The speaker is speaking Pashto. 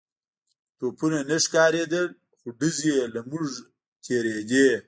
توپونه نه ښکارېدل خو ډزې يې له موږ نه تېرېدې.